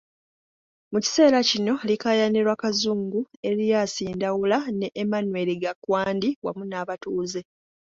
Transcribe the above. Mu kiseera kino likaayanirwa Kazungu, Erias Ndawula ne Emmanuel Gakwandi wamu n'abatuuze.